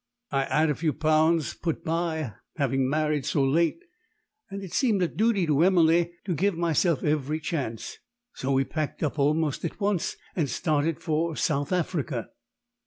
"I had a few pounds put by, having married so late; and it seemed a duty to Emily to give myself every chance: so we packed up almost at once and started for South Africa.